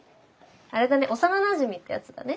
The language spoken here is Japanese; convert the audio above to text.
あれだね幼なじみってやつだね。